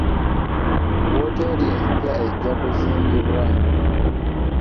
Wooteeri empya ejja kuzimbibwa.